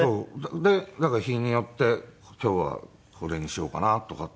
だから日によって今日はこれにしようかなとかって。